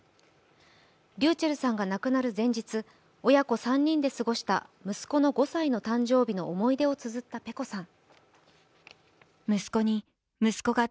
ｒｙｕｃｈｅｌｌさんが亡くなる前日、親子３人で過ごした息子の５歳の誕生日の思い出をつづったｐｅｃｏさん。